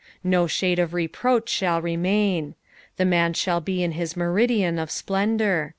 '''' No shade of reproach shall remain. The man shall be in his meridian of splendour.